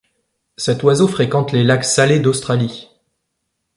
Cet oiseau fréquente les lacs salés d'Australie.